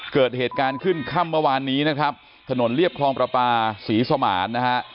เกิดเหตุการณ์ขึ้นค่ำเมื่อวานนี้นะครับถนนเรียบคลองประปาศรีสมานนะฮะ